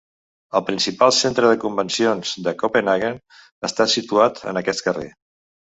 El principal centre de convencions de Copenhaguen està situat en aquest carrer.